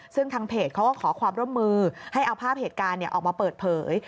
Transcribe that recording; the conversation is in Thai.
ซึ่งทางเพจเขาก็ขอความร่วมมือให้เอาภาพเหตุการณ์ออกมาเปิดเผย